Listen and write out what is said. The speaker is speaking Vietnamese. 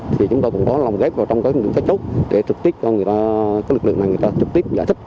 thì chúng ta cũng có lòng ghép vào trong các lực lượng này người ta trực tiếp giải thích